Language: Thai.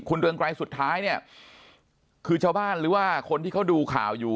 เรืองไกรสุดท้ายเนี่ยคือชาวบ้านหรือว่าคนที่เขาดูข่าวอยู่